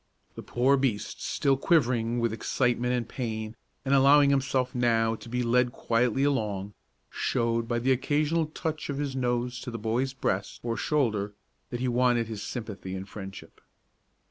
The poor beast, still quivering with excitement and pain, and allowing himself now to be led quietly along, showed by the occasional touch of his nose to the boy's breast or shoulder that he wanted his sympathy and friendship.